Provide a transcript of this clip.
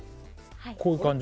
はいこういう感じ？